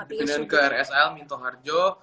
pimpinan ke rsl minto harjo